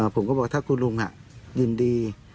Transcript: ผมก็บอกถ้าคุณลุงยินดี